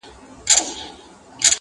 په بې صبری معشوقې چا میندلي دینه-